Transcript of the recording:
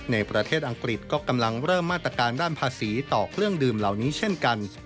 ในประเทศอังกฤษก็กำลังเริ่มมาตรการด้านภาษีต่อเครื่องดื่มเหล่านี้เช่นกัน